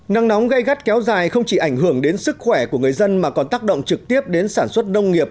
nắng nóng gây gắt kéo dài không chỉ ảnh hưởng đến sức khỏe của người dân mà còn tác động trực tiếp đến sản xuất nông nghiệp